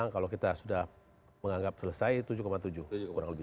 kalau kita sudah menganggap selesai tujuh tujuh kurang lebih